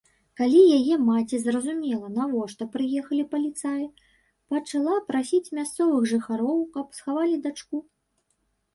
Калі яе маці зразумела, навошта прыехалі паліцаі, пачала прасіць мясцовых жыхароў, каб схавалі дачку.